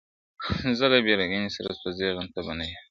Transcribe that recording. زه له بېرنګۍ سره سوځېږم ته به نه ژاړې!